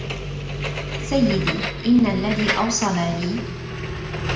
سيدي إن الذي أوصل لي